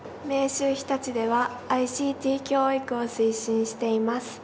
明秀日立では、ＩＣＴ教育を推進しています。